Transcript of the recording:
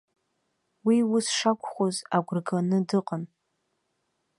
Уи ус шакәхоз агәра ганы дыҟан.